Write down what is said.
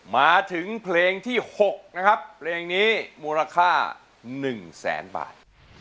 มาถึงเพลงที่๖นะครับเพลงนี้มูลค่า๑แสนบาท